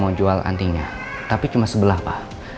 mau jual antinya tapi cuma sebelah pak